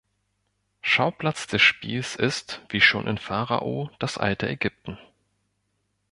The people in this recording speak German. Schauplatz des Spiels ist, wie schon in Pharao, das alte Ägypten.